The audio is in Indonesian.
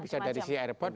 bisa dari sisi airport